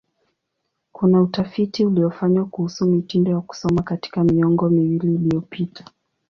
Kuna utafiti uliofanywa kuhusu mitindo ya kusoma katika miongo miwili iliyopita.